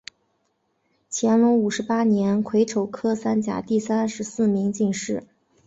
乾隆五十八年癸丑科三甲第三十四名进士。